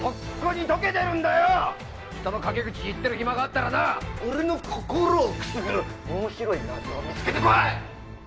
人の陰口言ってる暇があったらな俺の心をくすぐる面白い謎を見つけてこい！